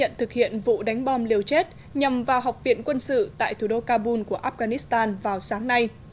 nhà nước hồi giáo is tự xưng đã nhận thực hiện vụ đánh bom liều chết nhằm vào học viện quân sự tại thủ đô kabul của afghanistan vào sáng nay